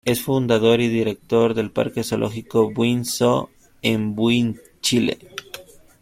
Es fundador y director del Parque Zoológico Buin Zoo en Buin, Chile.